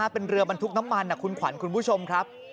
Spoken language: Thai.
เป็นเรือบรรทุกน้ำมันคุณขวัญคุณผู้ชมครับ